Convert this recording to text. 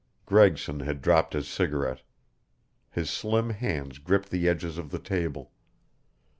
Gregson had dropped his cigarette. His slim hands gripped the edges of the table.